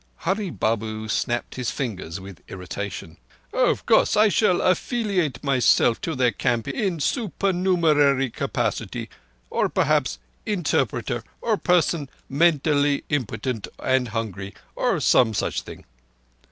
Hurree Babu snapped his fingers with irritation. "Of course I shall affeeliate myself to their camp in supernumerary capacity as perhaps interpreter, or person mentally impotent and hungree, or some such thing.